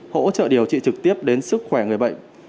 hỗ trợ điều trị trực tiếp đến sức khỏe người bệnh